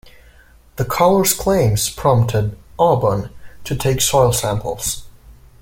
The caller's claims prompted Auburn to take soil samples.